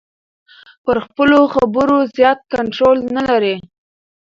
پر خپلو خبرو زیات کنټرول نلري.